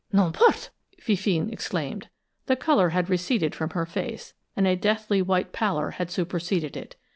"N'importe!" Fifine exclaimed. The color had receded from her face, and a deathly white pallor had superseded it.